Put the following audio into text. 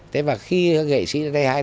thế mà khi nghệ sĩ nó thấy hay